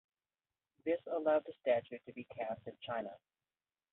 This allowed the statue to be cast in China.